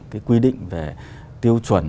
cái quy định về tiêu chuẩn